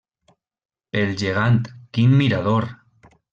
Pel gegant, quin mirador!